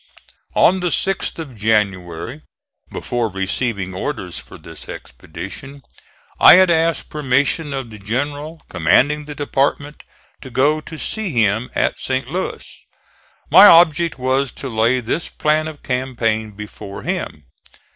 On the 6th of January, before receiving orders for this expedition, I had asked permission of the general commanding the department to go to see him at St. Louis. My object was to lay this plan of campaign before him.